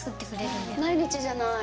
毎日じゃない。